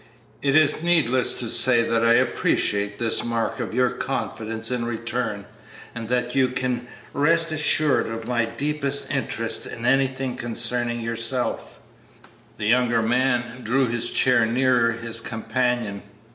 It is needless to say that I appreciate this mark of your confidence in return, and that you can rest assured of my deepest interest in anything concerning yourself." The younger man drew his chair nearer his companion.